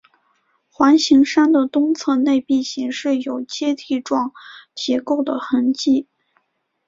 环形山的东侧内壁显示有阶地状结构的痕迹。